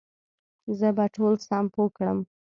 زه به ټول سم پوه کړم